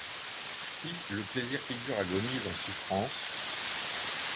Si le plaisir qui dure agonise en souffrance ;